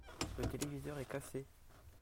Le téléviseur est cassé.